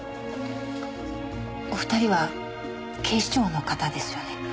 お二人は警視庁の方ですよね？